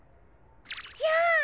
じゃあ！